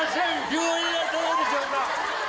病院はどこでしょうか？